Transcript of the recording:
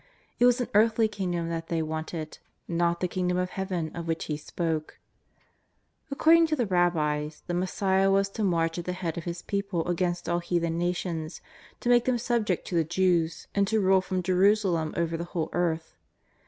It was an earthly kingdom that they wanted, not the Kingdom of Heaven of which He spoke. According to the rabbis, the Messiah was to march at the head of His people against all heathen nations, to make them subject to the Jews, and to rule from Jerusalem over the whole earth.